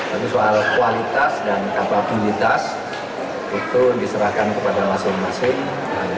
tapi soal kualitas dan kapabilitas itu diserahkan kepada masing masing